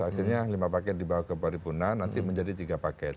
akhirnya lima paket dibawa ke paripurna nanti menjadi tiga paket